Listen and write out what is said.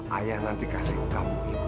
ayah nanti kasih kamu